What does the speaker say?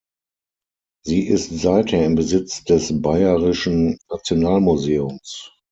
Sie ist seither in Besitz des Bayerischen Nationalmuseums.